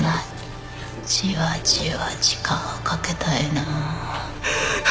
じわじわ時間をかけたいな